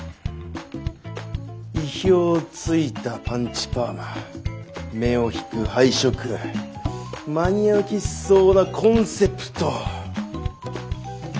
意表をついたパンチパーマ目を引く配色マニア受けしそうなコンセプト。